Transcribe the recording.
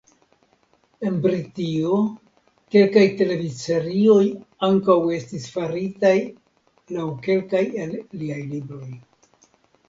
En Britio kelkaj televidserioj ankaŭ estis faritaj laŭ kelkaj el liaj libroj.